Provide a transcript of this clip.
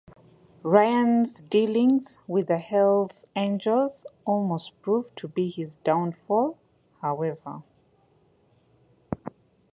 Ryan's dealings with the Hells Angels almost proved to be his downfall however.